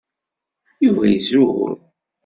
Yuba zur.